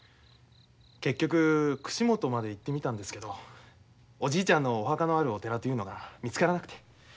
結局串本まで行ってみたんですけどおじいちゃんのお墓のあるお寺というのが見つからなくて。